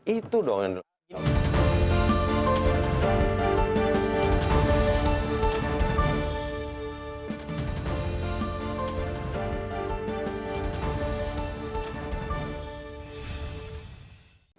itu dong yang harusnya